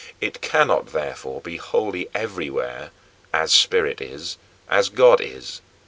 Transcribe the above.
It cannot therefore be wholly everywhere as Spirit is, as God is.